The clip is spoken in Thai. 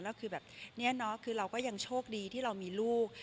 แล้วคือแบบเนี่ยเนาะคือเราก็ยังโชคดีที่เรามีลูก